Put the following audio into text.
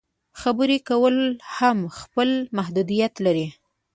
خبرې کول هم خپل محدودیت لري.